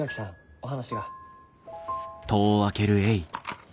お話が。